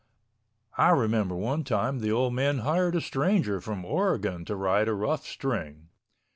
I remember one time the old man hired a stranger from Oregon to ride a rough string.